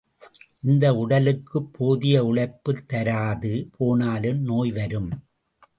இந்த உடலுக்குப் போதிய உழைப்புத் தராது போனாலும் நோய் வரும்.